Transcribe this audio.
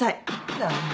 何だ。